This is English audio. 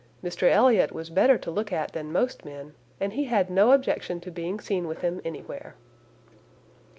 Mr Elliot was better to look at than most men, and he had no objection to being seen with him anywhere."